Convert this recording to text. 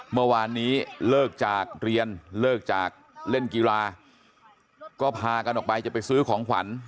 เมื่อวานนี้เลิกจากเรียนเลิกจากเล่นกีฬาก็พากันออกไปจะไปซื้อของขวัญ